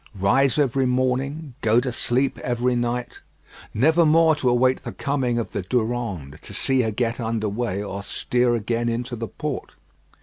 Rise every morning: go to sleep every night. Never more to await the coming of the Durande; to see her get under way, or steer again into the port.